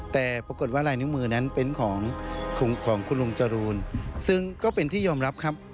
แต่ปรากฏว่าลายนิ้วมือนั้นเป็นของของคุณลุงจรูนซึ่งก็เป็นที่ยอมรับครับ